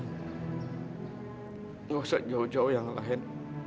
tidak perlu jauh jauh dari orang lain